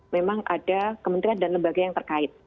memang ada kementerian dan lembaga yang terkait